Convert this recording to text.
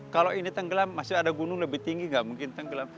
kalau ini tenggelam masih ada gunung lebih tinggi nggak mungkin tenggelam